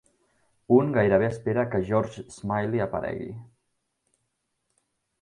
Un gairebé espera que George Smiley aparegui.